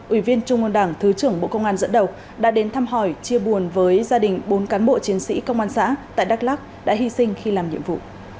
ủy viên trung ương đảng thứ trưởng bộ công an dẫn đầu đã đến thăm hỏi chia buồn với gia đình bốn cán bộ chiến sĩ công an xã tại đắk lắc đã hy sinh khi làm nhiệm vụ